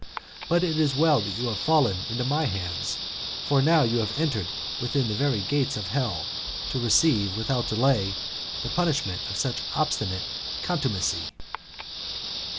But it is well that you have fallen into my hands; for ndw you have entered within the very gates of hell, to receive, without delay, the punishment of such obstinate contumacy."